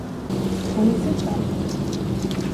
Har ni sett allt?